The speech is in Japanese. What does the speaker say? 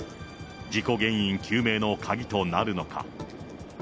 事故原因究明の鍵となるのか。